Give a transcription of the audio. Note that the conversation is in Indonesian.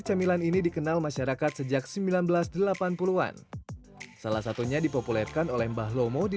cemilan ini dikenal masyarakat sejak seribu sembilan ratus delapan puluh an salah satunya dipopulerkan oleh mbah lomo di